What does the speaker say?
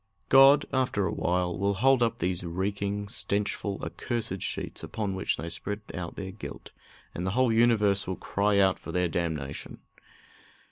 God, after a while, will hold up these reeking, stenchful, accursed sheets, upon which they spread out their guilt, and the whole universe will cry out for their damnation.